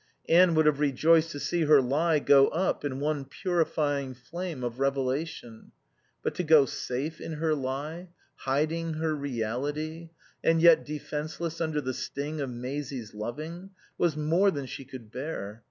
Anne would have rejoiced to see her lie go up in one purifying flame of revelation. But to go safe in her lie, hiding her reality, and yet defenceless under the sting of Maisie's loving, was more than she could bear.